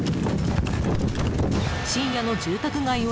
［深夜の住宅街を］